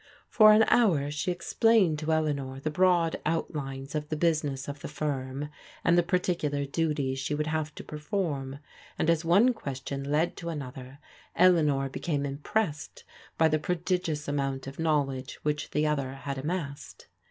For an hour she explained to Eleanor the broad out lines of the business of the firm, and the particular duties she would have to perform, and as one question led to another, Eleanor became impressed by the prodigious amount of knowledge which the other had amassed.